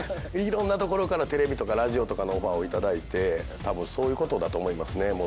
いろんなところからテレビとかラジオとかのオファーを頂いてたぶんそういうことだと思いますね。